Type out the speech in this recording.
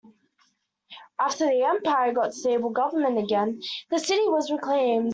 After the empire got a stable government again, the city was reclaimed.